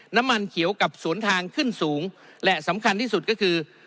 น้ำมันเขียวกับสวนทางขึ้นสูงและสำคัญที่สุดก็คือ